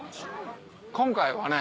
今回はね